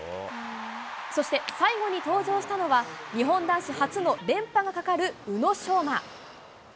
そして最後に登場したのは、日本男子初の連覇がかかる宇野昌磨。